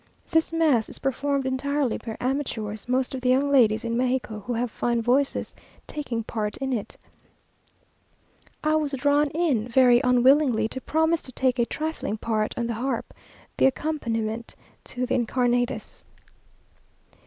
This mass is performed entirely by amateurs, most of the young ladies in Mexico, who have fine voices, taking a part in it. I was drawn in, very unwillingly, to promise to take a trifling part on the harp, the accompaniment to the Incarnatus.